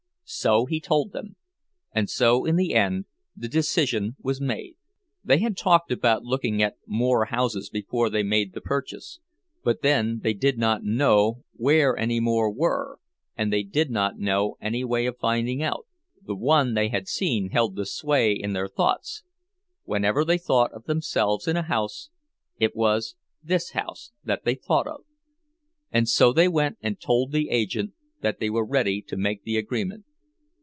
So he told them, and so in the end the decision was made. They had talked about looking at more houses before they made the purchase; but then they did not know where any more were, and they did not know any way of finding out. The one they had seen held the sway in their thoughts; whenever they thought of themselves in a house, it was this house that they thought of. And so they went and told the agent that they were ready to make the agreement.